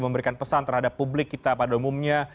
memberikan pesan terhadap publik kita pada umumnya